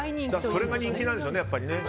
それが人気なんでしょうね。